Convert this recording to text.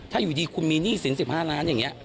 ถ้าอยู่ดีคุณมีหนี้สินสิบห้าล้านอย่างเงี้ย